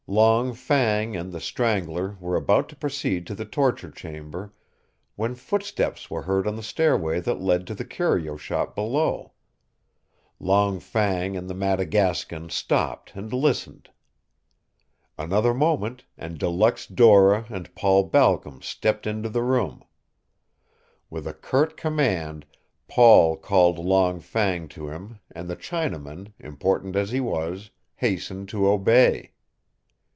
Long Fang and the Strangler were about to proceed to the torture chamber when footsteps were heard on the stairway that led to the curio shop below. Long Fang and the Madagascan stopped and listened. Another moment and De Luxe Dora and Paul Balcom stepped into the room. With a curt command Paul called Long Fang to him and the Chinaman, important as he was, hastened to obey.